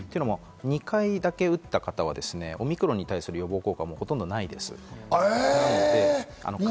２回だけ打った方はオミクロンに対する予防効果はほとんどないです。え！